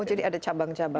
oh jadi ada cabang cabang